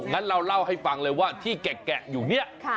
งั้นเราเล่าให้ฟังเลยว่าที่แกะอยู่เนี่ย